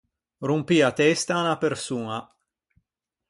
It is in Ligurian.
Rompî a testa à unna persoña.